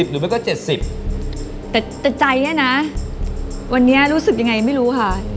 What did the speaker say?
แต่ใจเนี่ยนะวันนี้รู้สึกยังไงยังไม่รู้ค่ะ